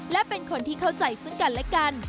และเป็นคนที่เข้าใจซึ่งกันและกัน